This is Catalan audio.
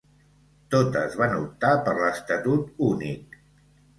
Totes van optar per l'estatut únic.